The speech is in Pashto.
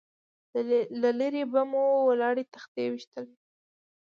له لرې به مو ولاړې تختې ويشتلې.